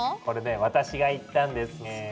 これね私が行ったんですね。